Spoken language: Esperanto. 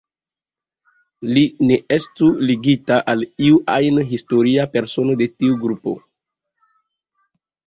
Li ne estu ligita al iu ajn historia persono de tiu trupo.